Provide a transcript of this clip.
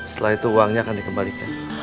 setelah itu uangnya akan dikembalikan